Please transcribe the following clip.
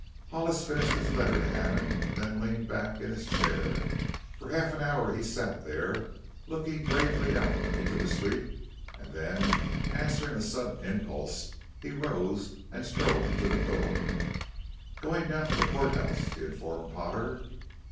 Hollis finished his letter to Hammond and then leaned back in his chair. For half an hour he sat there, looking gravely out into the street and then, answering a sudden impulse, he rose and strode to the door. "Going down to the court house," he informed Potter.